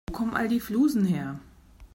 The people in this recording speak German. Wo kommen all die Flusen her?